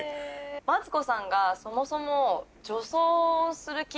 マツコさんがそもそも。